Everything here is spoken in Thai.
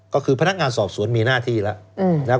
ก็คือพนักงานสอบสวนมีหน้าที่แล้วนะครับ